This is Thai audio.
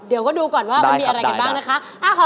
เดี๋ยวก็ดูก่อนว่ามันมีอะไรกันบ้างนะคะ